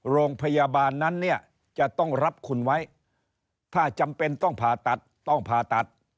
โรงพยาบาลนั้นเนี่ยจะต้องรับคุณไว้ถ้าจำเป็นต้องผ่าตัดต้องผ่าตัด